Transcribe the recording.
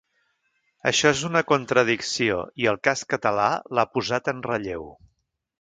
Això és una contradicció i el cas català l’ha posat en relleu.